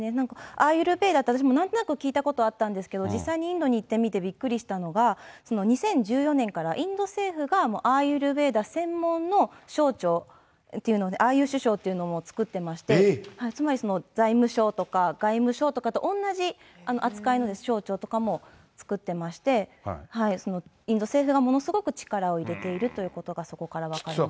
アーユルベーダって私もなんとなく聞いたことがあったんですけど、実際にインドに行ってみてびっくりしたのが、２０１４年からインド政府がアーユルベーダ専門の省庁っていうので、アーユル省というのを作ってまして、つまり外務省とかと同じ扱いの省庁とかも作ってまして、インド政府がものすごく力を入れているというところがそこから分かりました。